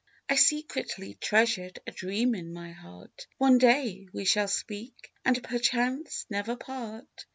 I secretly treasured a dream in my heart: One day we shall speak — and perchance never part.